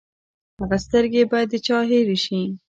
هغه سترګې به د چا هېرې شي!